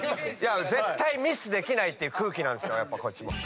絶対ミスできないっていう空気なんですこっちも。